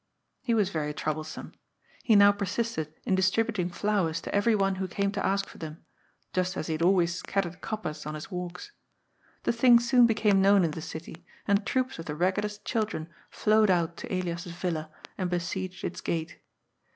He was very troublesome. He now persisted in dis tributing flowers to every one who came to ask for them, just as he had always scattered coppers on his walks. The thing soon became known in the city, and troops of the raggedest children flowed out to Elias's villa and besieged its gate.